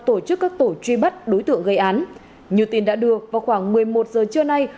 tổ chức các tổ truy bắt đối tượng gây án như tin đã đưa vào khoảng một mươi một giờ trưa nay